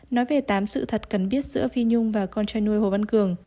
đặt cắn biết giữa phi nhung và con trai nuôi hồ văn cường